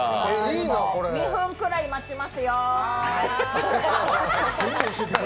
２分くらい待ちますよ。